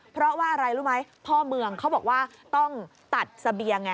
เพราะว่าอะไรรู้ไหมพ่อเมืองเขาบอกว่าต้องตัดเสบียงไง